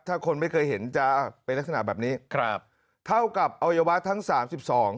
ถ้าคนไม่เคยเห็นจะเป็นลักษณะแบบนี้ครับเท่ากับอวัยวะทั้งสามสิบสอง